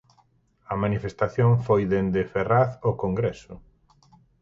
A manifestación foi dende Ferraz ao Congreso.